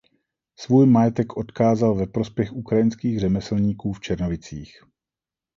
Svůj majetek odkázal ve prospěch ukrajinských řemeslníků v Černovicích.